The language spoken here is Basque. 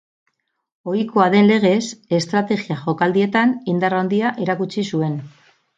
Ohikoa den legez, estrategia jokaldietan indar handia erakutsi zuen.